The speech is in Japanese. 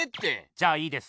じゃあいいです。